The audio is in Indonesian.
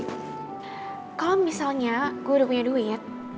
kalau misalnya gue udah punya duit